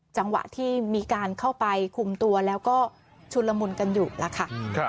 จังหวะที่มีการเข้าไปคุมตัวแล้วก็ชุนละมุนกันอยู่แล้วค่ะ